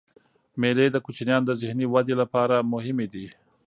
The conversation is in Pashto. مېلې د کوچنيانو د ذهني ودي له پاره مهمي دي.